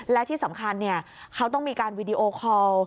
และที่สำคัญเขาต้องมีการวีดีโอคอล